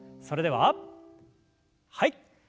それでははい。